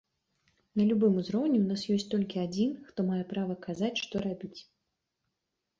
На любым узроўні ў нас ёсць толькі адзін, хто мае права казаць, што рабіць.